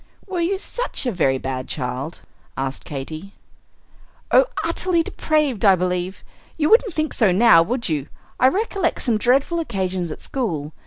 "Were you such a very bad child?" asked Katy. "Oh, utterly depraved, I believe. You wouldn't think so now, would you? I recollect some dreadful occasions at school.